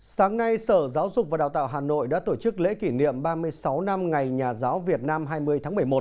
sáng nay sở giáo dục và đào tạo hà nội đã tổ chức lễ kỷ niệm ba mươi sáu năm ngày nhà giáo việt nam hai mươi tháng một mươi một